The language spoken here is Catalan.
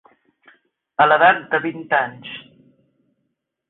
A l'edat de vint anys.